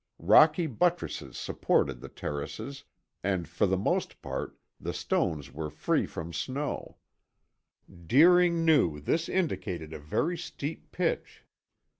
Rocky buttresses supported the terraces, and, for the most part, the stones were free from snow; Deering knew this indicated a very steep pitch.